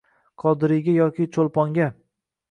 Qodiriyga yoki Choʻlponga.